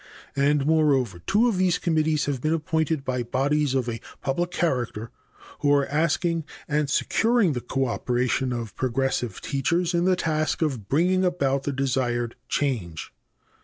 And, moreover, two of these committees have been appointed by bodies of a public character who are asking and securing the cooperation of progressive teachers in the task of bringing about the desired change.